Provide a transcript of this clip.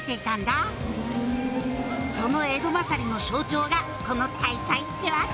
「その江戸勝りの象徴がこの大祭ってわけ」